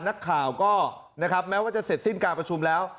นักข่าวก็นะครับแม้ว่าจะเสร็จสิ้นการประชุมแล้ว